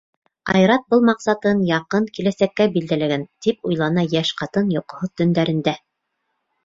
— Айрат был маҡсатын яҡын киләсәккә билдәләгән. — тип уйлана йәш ҡатын йоҡоһоҙ төндәрендә.